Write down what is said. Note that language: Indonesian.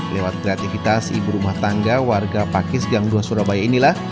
lewat kreativitas ibu rumah tangga warga pakis gang dua surabaya inilah